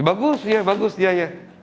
uh bagus ya bagus ya ya